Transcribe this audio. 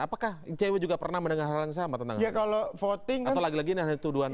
apakah cewek juga pernah mendengar hal yang sama tentang ya kalau voting atau lagi lagi nanti